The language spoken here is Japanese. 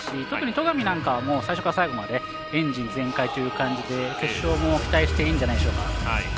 特に戸上なんかは最初から最後までエンジン全開という感じで決勝も期待していいんじゃないでしょうか。